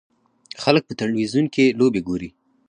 خلک په تلویزیون کې لوبې ګوري.